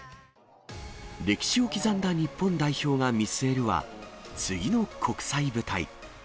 歴史を刻んだ日本代表が見据えるは、次の国際舞台。